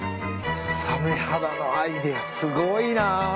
サメ肌のアイデアすごいな。